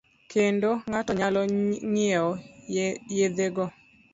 Kendo. ng'ato nyalo ng'iewo yedhego